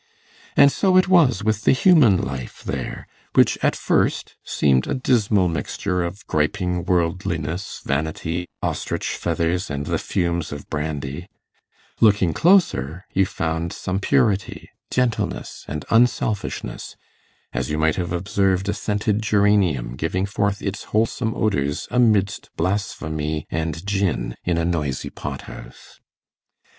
And so it was with the human life there, which at first seemed a dismal mixture of griping worldliness, vanity, ostrich feathers, and the fumes of brandy: looking closer, you found some purity, gentleness, and unselfishness, as you may have observed a scented geranium giving forth its wholesome odours amidst blasphemy and gin in a noisy pot house.